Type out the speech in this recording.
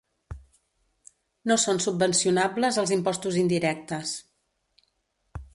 No són subvencionables els impostos indirectes.